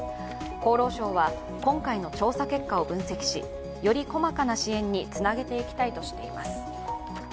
厚労省は、今回の調査結果を分析しより細かな支援につなげていきたいとしています。